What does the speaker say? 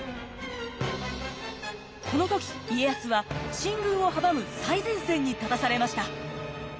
この時家康は進軍を阻む最前線に立たされました。